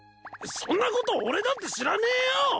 そんなこと俺だって知らねえよ！